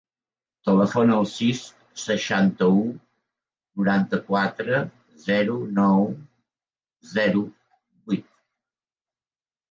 Telefona al sis, seixanta-u, noranta-quatre, zero, nou, zero, vuit.